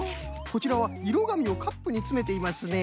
こちらはいろがみをカップにつめていますね。